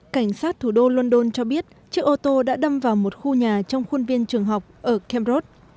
cảnh sát thủ đô london cho biết chiếc ô tô đã đâm vào một khu nhà trong khuôn viên trường học ở cambridg